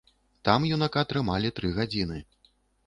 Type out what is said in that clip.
Там юнака трымалі тры гадзіны.